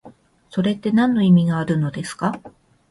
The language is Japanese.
それってなんの意味があるのですか？